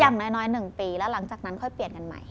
อย่างน้อย๑ปีแล้วหลังจากนั้นค่อยเปลี่ยนกันใหม่